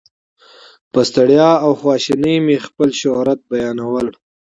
په ستړیا او خواشینۍ مې خپل شهرت بیانول.